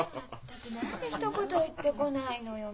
全く何でひと言言ってこないのよ。